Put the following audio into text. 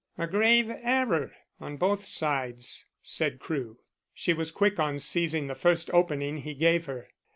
"A grave error on both sides," said Crewe. She was quick in seizing the first opening he gave her.